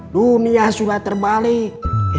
dunia sudah terbalik